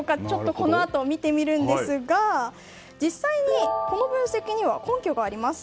このあと見てみるんですが実際にこの分析には根拠があります。